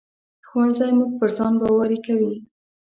ښوونځی موږ پر ځان باوري کوي